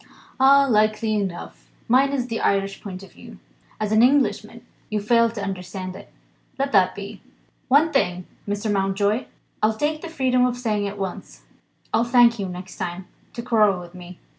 "Ah, likely enough! Mine's the Irish point of view. As an Englishman you fail to understand it. Let that be. One thing; Mr. Mountjoy, I'll take the freedom of saying at once. I'll thank you, next time, to quarrel with Me."